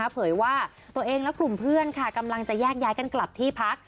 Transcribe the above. เผยว่าตัวเองและกลุ่มเพื่อนกำลังจะแยกย้ายกันกลับที่พัก